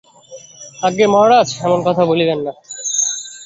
আজ্ঞা মহারাজ, এমন কথা বলিবেন না।